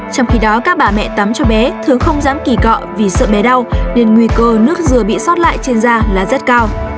trong khi đó các bà mẹ tắm cho bé thường không dám kỳ cọ vì sợ bé đau nên nguy cơ nước dừa bị sót lại trên da là rất cao